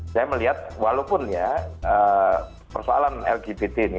saya melihat walaupun ya persoalan lgbt ini